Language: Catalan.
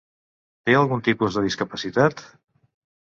Té algun tipus de discapacitat?